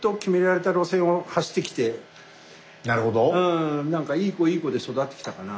うんなんかいい子いい子で育ってきたかな。